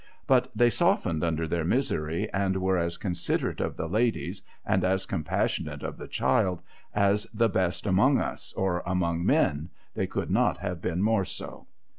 But, they softened under their misery, and were as considerate of the ladies, and as com passionate of the child, as the best among us, or among men— they could not have been more so.